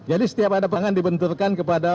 jadi setiap ada perangan dibenturkan kepada